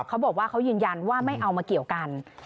เขาบอกว่าเขายืนยันว่าไม่เอามาเกี่ยวกัน